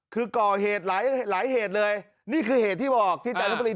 คือก่อเหตุหลายเหตุเลยนี่คือเหตุที่บอกที่จันทบุรี